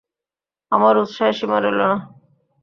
আমার উৎসাহের সীমা রইল না।